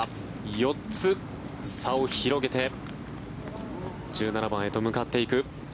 ４つ差を広げて１７番へと向かっていく。